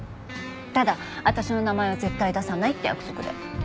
ただ私の名前は絶対出さないって約束で。